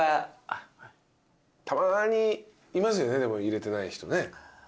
たまにいますよね入れてない人ね。